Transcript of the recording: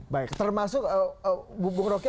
baik termasuk bung roky